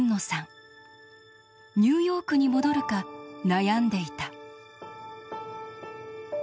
ニューヨークに戻るか悩んでいた。